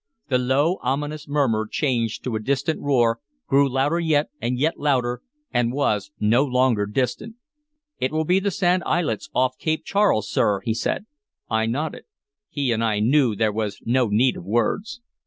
The low, ominous murmur changed to a distant roar, grew louder yet, and yet louder, and was no longer distant. "It will be the sand islets off Cape Charles, sir," he said. I nodded. He and I knew there was no need of words.